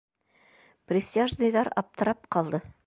Присяжныйҙар аптырап ҡалды.